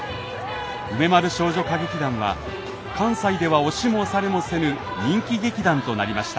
梅丸少女歌劇団は関西では押しも押されもせぬ人気劇団となりました。